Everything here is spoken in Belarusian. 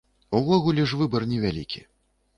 Увогуле ж выбар невялікі.